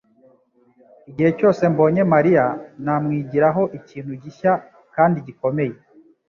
Igihe cyose mbonye Mariya, namwigiraho ikintu gishya kandi gikomeye.